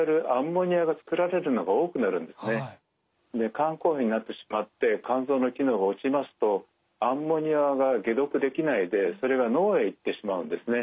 肝硬変になってしまって肝臓の機能が落ちますとアンモニアが解毒できないでそれが脳へ行ってしまうんですね。